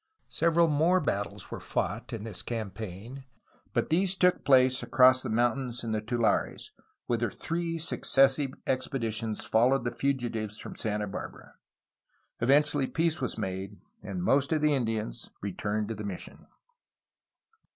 Several more battles were fought in this campaign, but these took place across the mountains in the tulares, whither three successive expeditions followed the fugitives from Santa Barbara. Eventually peace was made, and most of the Indians returned to the mission.